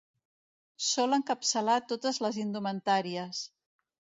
Sol encapçalar totes les indumentàries.